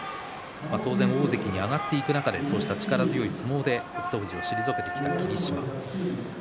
当然、大関に上がっていく中でそういった力強い相撲で北勝富士を退けてきた霧島。